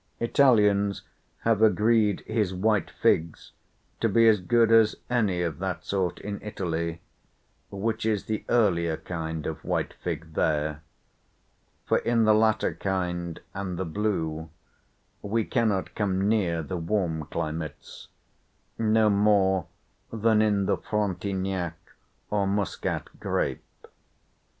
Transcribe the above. Italians have agreed his white figs to be as good as any of that sort in Italy, which is the earlier kind of white fig there; for in the later kind and the blue, we cannot come near the warm climates, no more than in the Frontignac or Muscat grape.